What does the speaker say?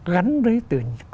gắn với từ